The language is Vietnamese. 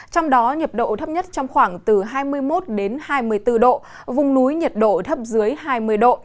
trong đó nhiệt độ thấp nhất trong khoảng từ hai mươi một đến hai mươi bốn độ vùng núi nhiệt độ thấp dưới hai mươi độ